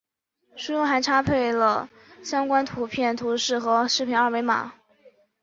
书中还配插了相关图片、图示和视频二维码